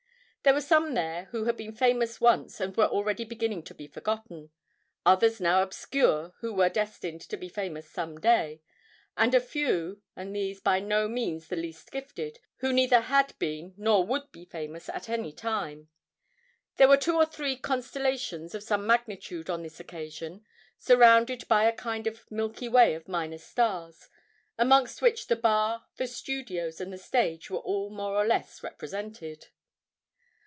There were some there who had been famous once and were already beginning to be forgotten, others now obscure who were destined to be famous some day, and a few, and these by no means the least gifted, who neither had been nor would be famous at any time. There were two or three constellations of some magnitude on this occasion, surrounded by a kind of 'milky way' of minor stars, amongst which the bar, the studios, and the stage were all more or less represented.